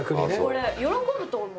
これ喜ぶと思う。